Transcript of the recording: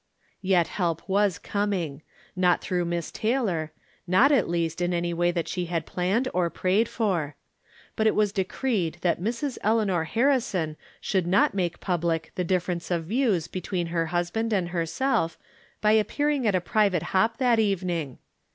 Yet help was coming. Not tlurough Miss Tay lor ; not, at least, in any way she had planned or prayed for. But it was decreed that Mrs. Elea nor Harrison should not make public the differ ence of views between her husband and herself by appearing at the private hop that evening.